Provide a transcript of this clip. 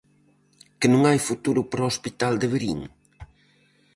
¿Que non hai futuro para o Hospital de Verín?